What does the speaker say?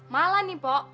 malah nih pok